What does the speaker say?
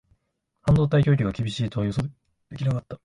半導体供給が厳しいとは予想できなかった